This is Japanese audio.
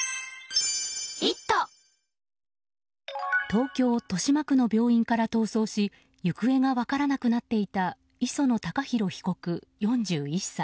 東京・豊島区の病院から逃走し行方が分からなくなっていた磯野貴博被告、４１歳。